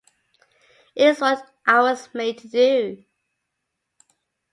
It's what I was made to do.